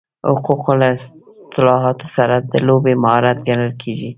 حقوق له اصطلاحاتو سره د لوبې مهارت ګڼل کېږي.